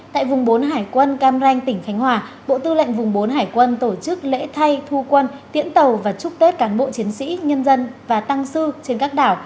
tại vùng bốn hải quân cam ranh tỉnh khánh hòa bộ tư lệnh vùng bốn hải quân tổ chức lễ thay thu quân tiễn tàu và chúc tết cán bộ chiến sĩ nhân dân và tăng sư trên các đảo